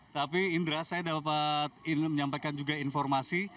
tapi indra saya dapat menyampaikan juga informasi